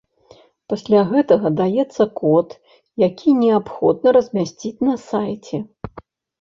Пасля гэтага даецца код, які неабходна размясціць на сайце.